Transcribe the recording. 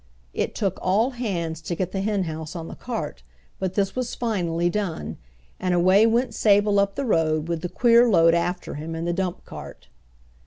It took all hands to get the henhouse on the cart, but this was finally done, and away went Sable up the road with the queer load after him in the dump cart.